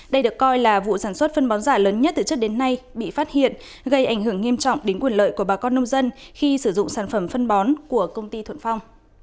đây được coi là vụ sản xuất phân bón giả lớn nhất từ trước đến nay bị phát hiện gây ảnh hưởng nghiêm trọng đến quyền lợi của bà con nông dân khi sử dụng sản phẩm phân bón của công ty thuận phong